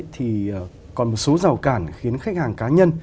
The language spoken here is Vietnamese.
thì còn một số rào cản khiến khách hàng cá nhân